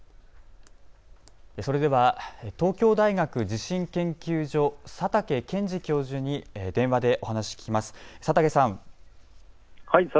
それでは東京大学地震研究所の佐竹健治教授に電話でお話、聞きます。